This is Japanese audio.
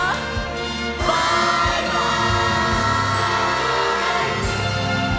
バイバイ！